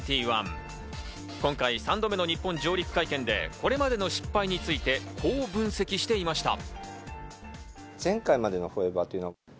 今回、３度目の日本上陸会見でこれまでの失敗について、こう分析していました。